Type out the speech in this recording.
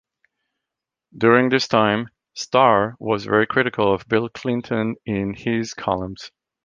During this time, Starr was very critical of Bill Clinton in his columns.